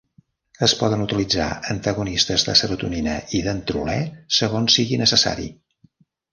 Es poden utilitzar antagonistes de serotonina i dantrolè segons sigui necessari.